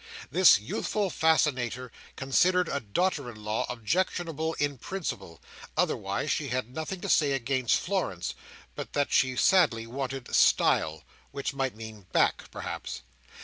This youthful fascinator considered a daughter in law objectionable in principle; otherwise, she had nothing to say against Florence, but that she sadly wanted "style"—which might mean back, perhaps.